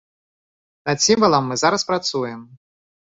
Над сімвалам мы зараз працуем.